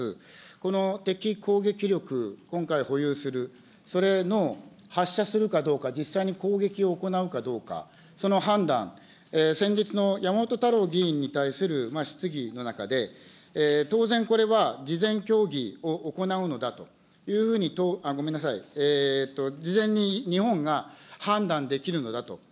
この敵攻撃力、今回保有する、それの発射するかどうか、実際に攻撃を行うかどうか、その判断、先日の山本太郎議員に対する質疑の中で、当然これは事前協議を行うのだというふうに、ごめんなさい、事前に日本が判断できるのだと。